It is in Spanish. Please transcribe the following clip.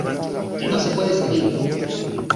¡ que no se puede salir!